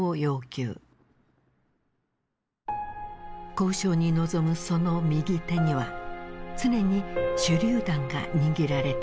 交渉に臨むその右手には常に手榴弾が握られていた。